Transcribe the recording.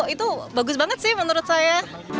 itu bagus banget sih menurut saya